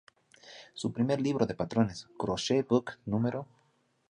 Su primer libro de patrones, "Crochet Book No.